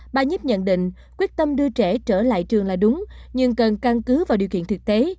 bà nhíp nhận định quyết tâm đưa trẻ trở lại trường là đúng nhưng cần căn cứ vào điều kiện thực tế